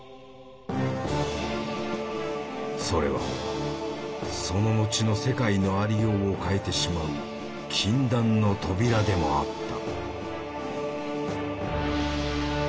それはその後の世界のありようを変えてしまう「禁断の扉」でもあった。